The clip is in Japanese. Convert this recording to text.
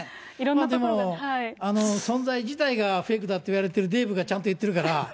でも存在自体がフェイクだと言われてるデーブがちゃんと言ってるから。